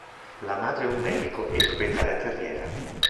La madre è un medico e proprietaria terriera.